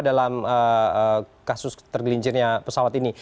dalam kasus tergelincirnya pesawat ini